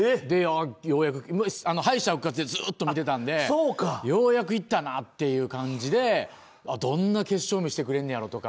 ようやく、敗者復活でずっと見てたんで、ようやく行ったなという感じで、どんな決勝を見せてくれるんやろうかとか。